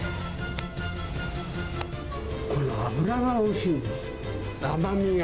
これは脂がおいしいんです。